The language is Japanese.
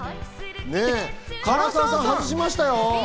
唐沢さん、外しましたよ。